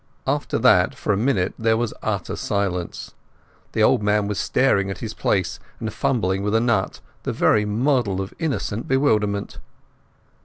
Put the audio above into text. After that for a minute there was utter silence. The old man was staring at his plate and fumbling with a nut, the very model of innocent bewilderment.